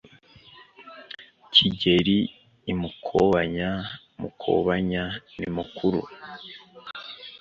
KIGELI I MUKOBANYA Mukobanya ni mukuru,